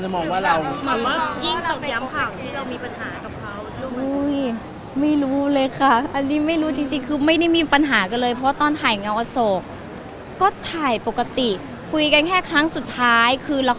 คนจะมองว่าเราอ่อนอยากเดี่ยวข่าวคิดว่ามีปัญหากับเขาต้องดีไม่รู้เลยค่ะอันนี้ไม่รู้จริงคือไม่ได้มีปัญหากันเลยเพราะตอนถ่ายยาวนะคะเร็วก็ถ่ายปกติคุยกันแค่ครั้งสุดท้ายคือละกร